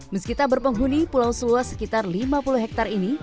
meskipun berpenghuni pulau seluas sekitar lima puluh hektare ini